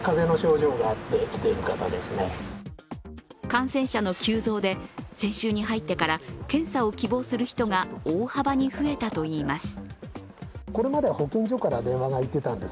感染者の急増で、先週に入ってから検査を希望する人が大幅に増えたといいます。